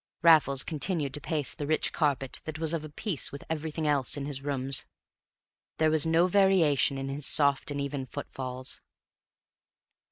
Raffles continued to pace the rich carpet that was of a piece with everything else in his rooms. There was no variation in his soft and even footfalls.